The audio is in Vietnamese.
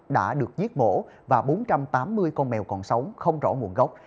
đã được giết mổ và bốn trăm tám mươi con mèo còn sống không rõ nguồn gốc